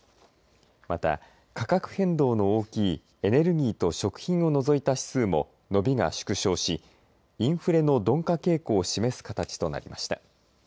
また価格変動の大きいエネルギーと食品を除いた指数も伸びが縮小しインフレの鈍化傾向を示す形となりました。